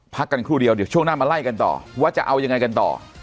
พักกันครู่เดียวเดี๋ยวช่วงหน้ามาไล่กันต่อว่าจะเอายังไงกันต่อ